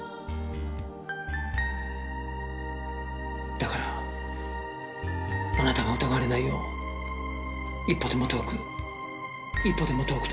だからあなたが疑われないよう１歩でも遠く１歩でも遠くと。